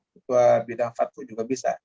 juga bidang fatu juga bisa